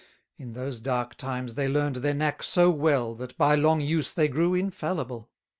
In those dark times they learn'd their knack so well, That by long use they grew infallible.